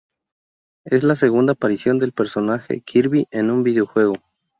Es la segunda aparición del personaje Kirby en un videojuego.